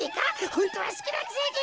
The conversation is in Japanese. ホントはすきなくせに！